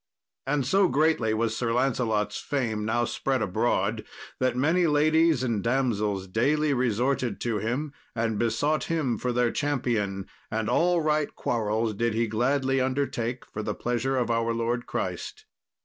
And so greatly was Sir Lancelot's fame now spread abroad that many ladies and damsels daily resorted to him and besought him for their champion; and all right quarrels did he gladly undertake for the pleasure of our Lord Christ.